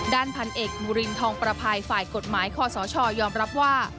ด้านพันเอกบุรินทองประภัยฝ่ายกฎหมายคอสชยอมรับว่า